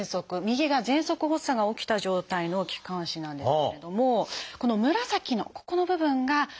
右がぜんそく発作が起きた状態の気管支なんですけれどもこの紫のここの部分が空気の通り道。